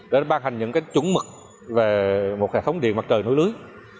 để ban hành những chuẩn mực về một hệ thống điện mặt trời nối lưới